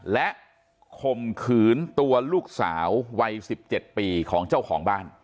และข่มขืนตัวลูกสาววัย๑๗ปีของเจ้าของบ้าน